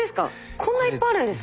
こんないっぱいあるんですか？